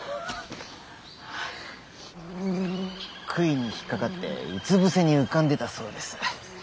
杭に引っ掛かってうつ伏せに浮かんでたそうです。